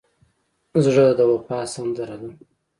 زړه د وفا سندره ده.